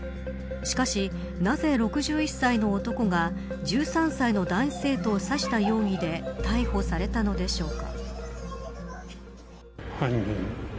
しかし、なぜ６１歳の男が１３歳の男子生徒を刺した容疑で逮捕されたのでしょうか。